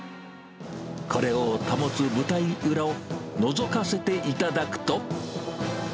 これを保つ舞台裏をのぞかせていただくと。